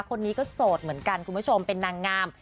คนนี้ก็โสดเหมือนกันคุณผู้ชมเป็นนางงาม